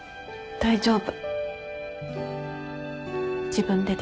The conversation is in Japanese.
大丈夫。